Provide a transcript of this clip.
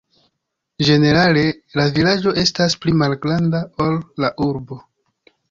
Ĝenerale la vilaĝo estas pli malgranda, ol la urbo.